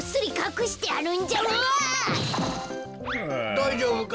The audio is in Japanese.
だいじょうぶか？